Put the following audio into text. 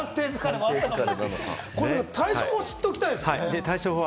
対処法を知っておきたいですね。